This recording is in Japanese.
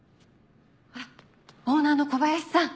ほらオーナーの小林さん。